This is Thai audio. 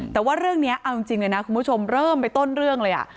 แต่ว่าเรื่องนี้เอาจริงเลยนะคุณผู้ชมเริ่มไปต้นเรื่องเลย